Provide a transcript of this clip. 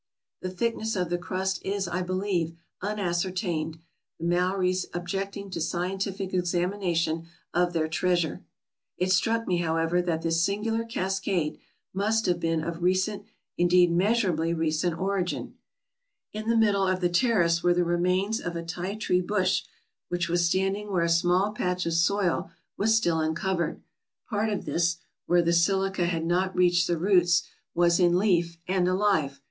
The thickness of the crust is, I believe, unascertained, the Maories objecting to scientific examination of their treasure. It struck me, however, that this singular cascade must have been of recent — indeed, measurably recent — origin. In the middle of the terrace were the remains of a Ti tree bush, 440 TRAVELERS AND EXPLORERS which was standing where a small patch of soil was still uncovered. Part of this, where the silica had not reached the roots, was in leaf and alive.